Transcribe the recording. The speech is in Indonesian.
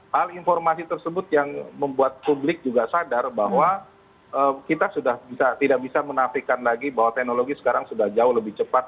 hal informasi tersebut yang membuat publik juga sadar bahwa kita sudah tidak bisa menafikan lagi bahwa teknologi sekarang sudah jauh lebih cepat